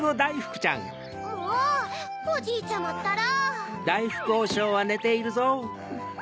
もうおじいちゃまったら。